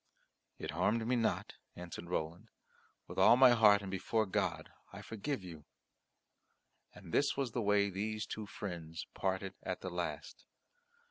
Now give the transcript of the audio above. "It harmed me not," answered Roland; "with all my heart and before God I forgive you." And this was the way these two friends parted at the last.